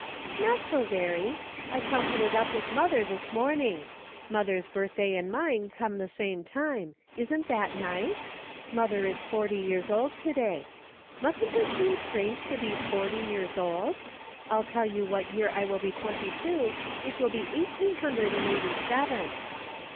" Not so very. I counted it up with mother this morning. Mother's birthday and mine come the same time ; isn't that nice ? Mother is forty years old to day. Mustn't it seem strange to be forty years old ? I'll tell you what year I will be twenty two ; it will be eighteen hundred and eighty seven."